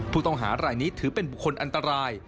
ผู้ต้องหารายนี้ถือเป็นบุคคลอันตราย